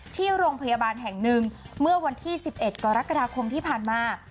ที่โรงพยาบาลแห่งหนึ่งเมื่อวันที่๑๑กรกฎาคมที่ผ่านมา